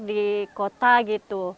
di kota gitu